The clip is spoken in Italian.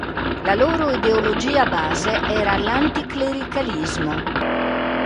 La loro ideologia base era l'anticlericalismo.